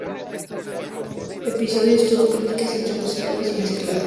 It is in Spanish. El episodio tuvo críticas entre positivas y mezcladas.